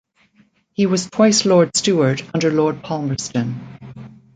He was twice Lord Steward under Lord Palmerston.